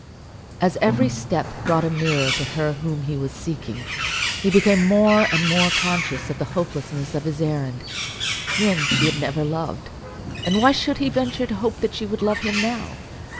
As every step brought him nearer to her whom he was seeking, he became more and more conscious of the hopelessness of his errand. Him she had never loved, and why should he venture to hope that she would love him now?